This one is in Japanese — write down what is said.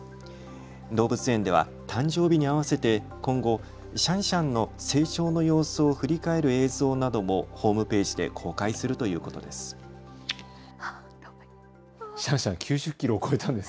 動物園では誕生日に合わせて今後、シャンシャンの成長の様子を振り返る映像などもホームページで公開するということです。